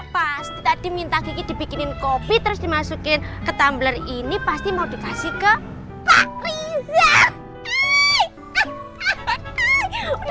pas tadi minta gigi dibikinin kopi terus dimasukin ke tumbler ini pasti mau dikasih ke pak riyad